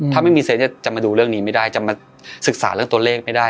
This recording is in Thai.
ถ้าไม่มีเซตจะมาดูเรื่องนี้ไม่ได้จะมาศึกษาเรื่องตัวเลขไม่ได้